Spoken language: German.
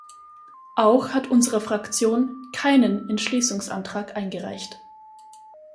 Auch hat unsere Fraktion keinen Entschließungsantrag eingereicht.